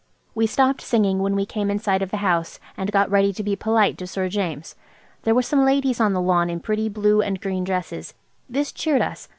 We stopped singing when we came in sight of the house, and got ready to be polite to Sir James. There were some ladies on the lawn in pretty blue and green dresses. This cheered us.